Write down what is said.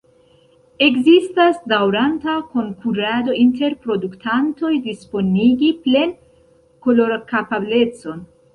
Ekzistas daŭranta konkurado inter produktantoj disponigi plen-kolorokapablecon.